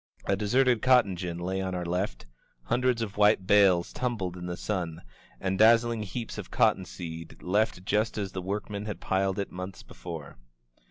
A deserted cotton gin lay on our left, hundreds of white bales tumbled in the sun, and dazzling heaps of cotton seed left just as the workmen had piled it months before.